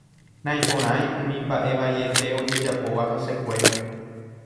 Naiporãi umi mbaʼe vaiete ojejapóva hesekuéra.